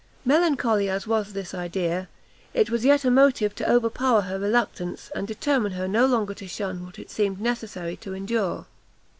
Melancholy as was this idea, it was yet a motive to overpower her reluctance, and determine her no longer to shun what it seemed necessary to endure.